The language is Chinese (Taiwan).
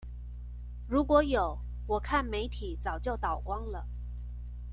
如果有我看媒體早就倒光了！